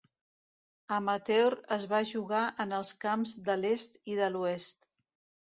Amateur es va jugar en els camps de l'est i de l'oest.